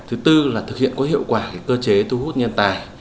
thứ tư là thực hiện có hiệu quả cơ chế thu hút nhân tài